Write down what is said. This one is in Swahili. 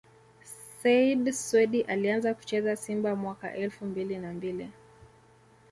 Said Swedi Alianza kucheza Simba mwaka elfu mbili na mbili